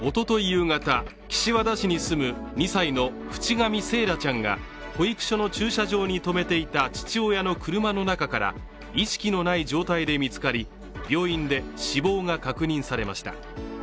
夕方、岸和田市に住む２歳の渕上惺愛ちゃんが保育所の駐車場に止めていた父親の車の中から意識のない状態で見つかり病院で、死亡が確認されました。